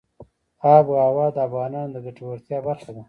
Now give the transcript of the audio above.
آب وهوا د افغانانو د ګټورتیا برخه ده.